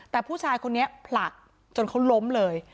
แต่ผู้ชายคนนี้ผลักจนเขาล้มเลย